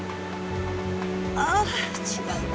ああ違うか。